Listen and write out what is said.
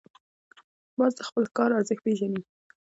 باز د خپل ښکار ارزښت پېژني